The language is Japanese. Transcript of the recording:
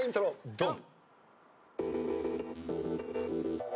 ドン！